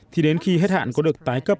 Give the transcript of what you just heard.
thì đến khi hết hạn có được tái cấp